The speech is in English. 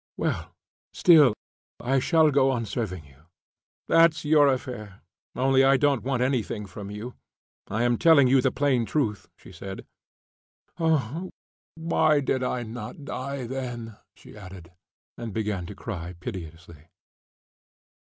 "Well, still I shall go on serving you." "That's your affair, only I don't want anything from you. I am telling you the plain truth," she said. "Oh, why did I not die then?" she added, and began to cry piteously.